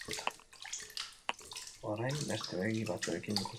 Orain beste begi batzuekin ikusten dute etorkizuna.